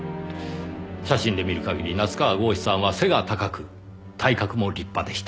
写真で見る限り夏河郷士さんは背が高く体格も立派でした。